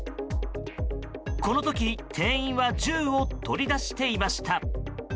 この時、店員は銃を取り出していました。